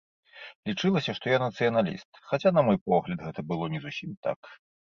Лічылася, што я нацыяналіст, хаця, на мой погляд, гэта было не зусім так.